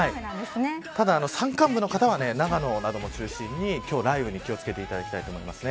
ただ、山間部の方は長野などを中心に今日は雷雨に気を付けていただきたいと思います。